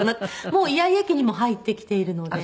もうイヤイヤ期にも入ってきているので。